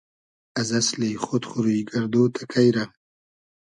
از اسلی خۉد خو روی گئردۉ تئکݷ رۂ؟